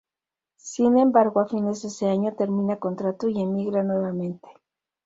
Sin embargo a fines de ese año termina contrato y emigra nuevamente.